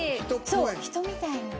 そう人みたいなの。